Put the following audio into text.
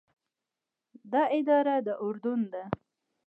دا اداره د اردن ده.